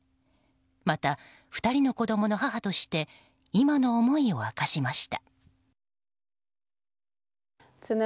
また、２人の子供の母として今の思いを明しました。